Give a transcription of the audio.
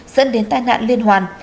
dẫn đến tai nạn liên hoàn